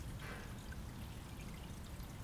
Orduan Espainiak jaso zuen urrezko domina.